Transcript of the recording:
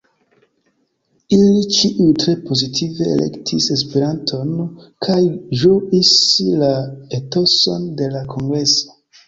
Ili ĉiuj tre pozitive elektis Esperanton kaj ĝuis la etoson de la kongreso.